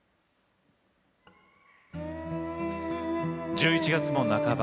１１月も半ば。